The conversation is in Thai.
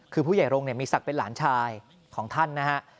คือผู้ใหญ่รงค์มีศักดิ์เป็นหลานชายของท่านนะฮะ